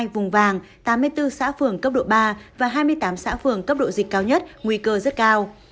hai vùng vàng tám mươi bốn xã phường cấp độ ba và hai mươi tám xã phường cấp độ dịch cao nhất nguy cơ rất cao